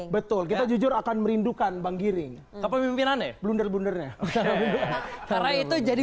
betul kita jujur akan merindukan bang giring kepemimpinannya blunder blundernya karena itu jadi